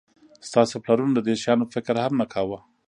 ستاسو پلرونو د دې شیانو فکر هم نه کاوه